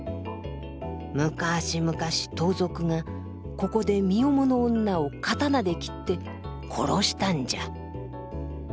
むかし昔盗賊がここで身重の女を刀で斬って殺したんじゃ。